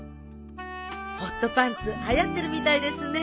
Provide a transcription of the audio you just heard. ホットパンツはやってるみたいですね。